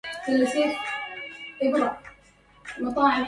قل للذي حرم بذل الندى